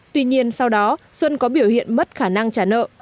tuy nhiên sau đó xuân có biểu hiện mất khả năng trả nợ